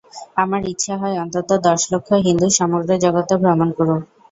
আমার ইচ্ছা হয়, অন্তত দশ লক্ষ হিন্দু সমগ্র জগতে ভ্রমণ করুক।